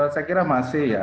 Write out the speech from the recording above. saya kira masih ya